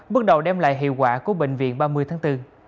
bước đầu đem lại hiệu quả của bệnh viện ba mươi tháng bốn